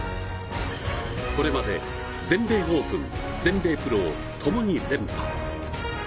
これまで全米オープン、全米プロをともに連覇。